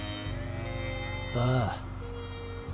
ああ。